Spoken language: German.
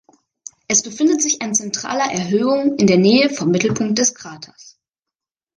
Es befindet sich ein zentraler Erhöhung in der Nähe vom Mittelpunkt des Kraters.